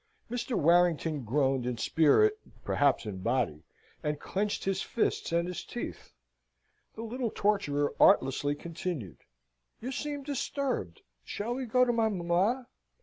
Mr. Warrington groaned in spirit, perhaps in body, and clenched his fists and his teeth. The little torturer artlessly continued, "You seem disturbed: shall we go to my mamma?"